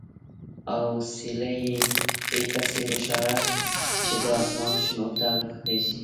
اوسیلی یې پسې وشاړه چې د اسمان شنو ته وخېژي.